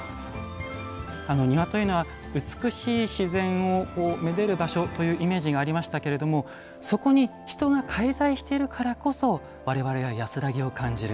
庭というのは美しい自然をめでる場所というイメージがありましたけれどもそこに人が介在しているからこそわれわれは安らぎを感じる。